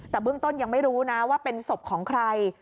แต่เบื้องต้นยังไม่รู้นะว่าเป็นศพของใคร